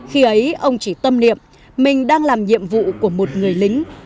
khi ấy ông chỉ tâm niệm mình đang làm nhiệm vụ của một người lính